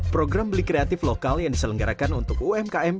program beli kreatif lokal yang diselenggarakan untuk umkm